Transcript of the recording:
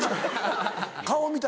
顔見た？